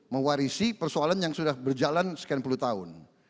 mewarisi persoalan yang sudah berjalan sekian puluh tahun